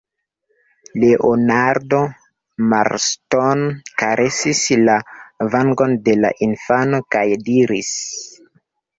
Leonardo Marston karesis la vangon de la infano kaj diris: